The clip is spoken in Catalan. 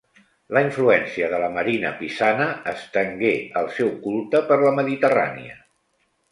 La influència de la marina pisana estengué el seu culte per la Mediterrània.